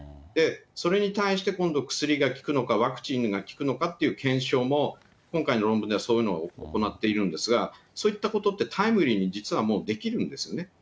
で、それに対して今度薬が効くのか、ワクチンが効くのかという検証も今回の論文ではそういうのを行っているんですが、そういったことって、タイムリーに実はもうできるんですね。